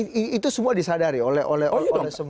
jadi itu semua disadari oleh semua orang orang